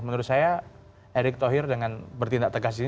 menurut saya erick thohir dengan bertindak tegas ini